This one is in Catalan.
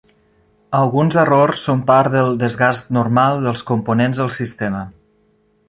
Alguns errors són part del desgast normal dels components del sistema.